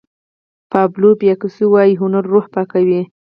پابلو پیکاسو وایي هنر روح پاکوي.